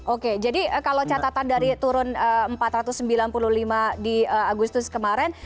oke jadi kalau catatan dari turun empat ratus sembilan puluh lima di agustus kemarin